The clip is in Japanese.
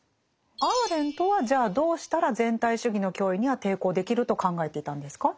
アーレントはじゃあどうしたら全体主義の脅威には抵抗できると考えていたんですか？